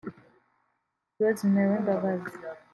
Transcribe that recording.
Rose Mary Mbabazi